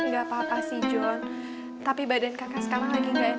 gapapa sih john tapi badan kakak sekarang lagi gak enak banget